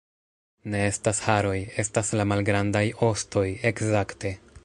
Ne estas haroj... estas la malgrandaj... ostoj, ekzakte